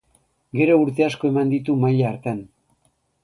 Gero urte asko eman ditu maila hartan.